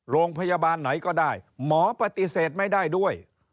โรงพยาบาลไหนก็ได้หมอปฏิเสธไม่ได้ด้วย